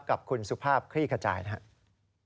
กับคุณสุภาพคลี่ขจายนะครับ